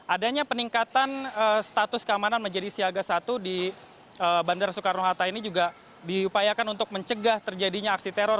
adanya peningkatan status keamanan menjadi siaga satu di bandara soekarno hatta ini juga diupayakan untuk mencegah terjadinya aksi teror